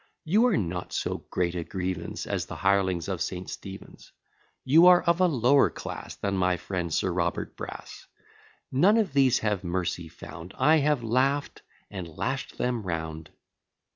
You are not so great a grievance, As the hirelings of St. Stephen's. You are of a lower class Than my friend Sir Robert Brass. None of these have mercy found: I have laugh'd, and lash'd them round.